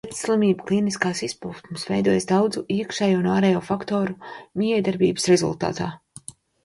Sirds slimību klīniskās izpausmes veidojas daudzu iekšējo un ārējo faktoru mijiedarbības rezultātā.